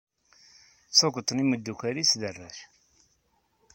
Tuget n yimedukal-is d arrac.